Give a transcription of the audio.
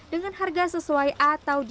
dengan harga sesuai atau di bawah harga